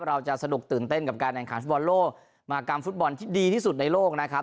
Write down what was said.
เราจะสนุกตื่นเต้นกับการแข่งขันฟุตบอลโลกมากรรมฟุตบอลที่ดีที่สุดในโลกนะครับ